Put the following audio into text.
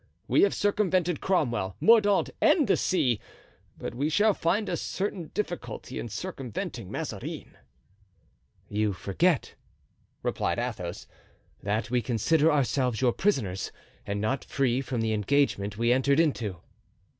We have circumvented Cromwell, Mordaunt, and the sea, but we shall find a certain difficulty in circumventing Mazarin." "You forget," replied Athos, "that we consider ourselves your prisoners and not free from the engagement we entered into."